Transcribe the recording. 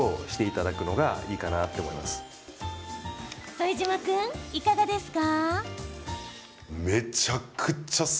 副島君、いかがですか？